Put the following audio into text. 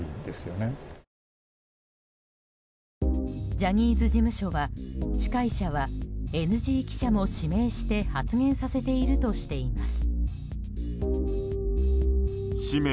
ジャニーズ事務所は司会者はＮＧ記者も指名して発言させているとしています。